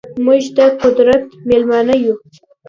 موږ ده قدرت میلمانه یو